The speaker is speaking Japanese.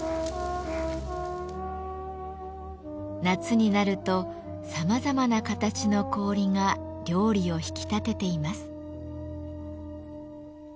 夏になるとさまざまな形の氷が料理を引き立てています。